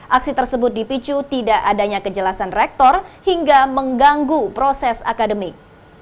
aksi tersebut dipicu tidak adanya kejelasan rektor hingga mengganggu proses akademik